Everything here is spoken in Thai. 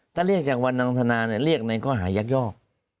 ถ้าเรียกจากนางวันธนาเนี่ยเรียกไหนก็หายักยอก